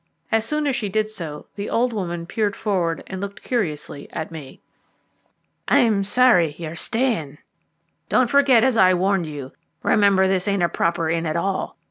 As soon as she did so the old woman peered forward and looked curiously at me. "I'm sorry you are staying," she said; "don't forget as I warned you. Remember, this ain't a proper inn at all.